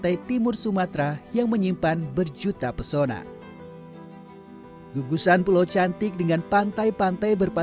itu yang ngga boleh ya